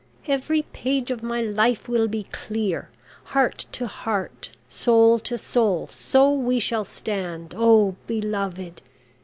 Every page of my life will be clear. Heart to heart, soul to soul, so we shall stand, oh, beloved!